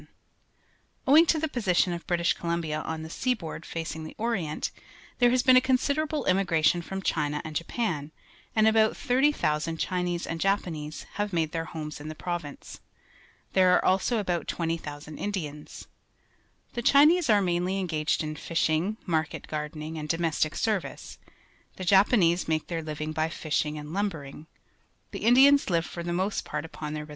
Owijig to the position of British Columbia on the sea board facing the Orient, there has been a considerable inmiigration from China and Japan, and about 30,000 Cliinese and Japanese have made their homes in the province. There are also about 20,000 Indians. The Chinese are mainly engaged in fishing, market gardening, and domestic service; the Japanese make their living by fishing and lumbering; the Indians live for the most part upon their re.